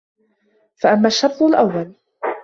فَأَمَّا الشَّرْطُ الْأَوَّلُ